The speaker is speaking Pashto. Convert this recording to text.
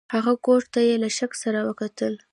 هغه کوټ ته یې له شک سره وکتل.